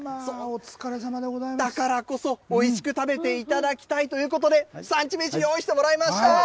だからこそおいしく食べていただきたいということで、産地めし、用意してもらいました。